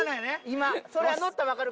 今。